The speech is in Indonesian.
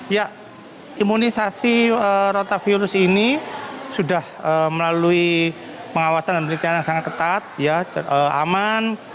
ya imunisasi rotavirus ini sudah melalui pengawasan dan penelitian yang sangat ketat aman